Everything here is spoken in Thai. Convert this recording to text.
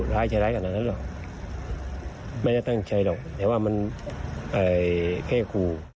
ร้ายใชร้ายที่อันนั้นหรอกไม่ได้ตั้งใชรึยัง